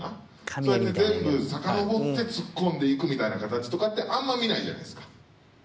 そうやって全部さかのぼってツッコんでいくみたいな形とかってあんま見ないじゃないですか。